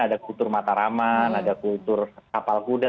ada kultur mataraman ada kultur kapal kuda